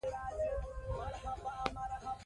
د پکتیا نه تر هراته پورې یو افغان دی.